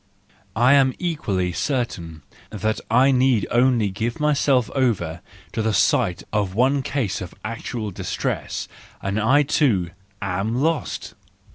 I am equally certain that I need only give myself over to the sight of one case of actual distress, and I, too, am lost!